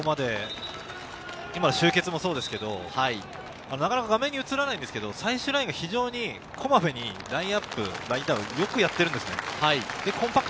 今の集結もそうですけれど、なかなか画面に映らないんですけれど、最終ラインが非常にこまめにラインアップ、ラインダウン、よくやってるんですよね。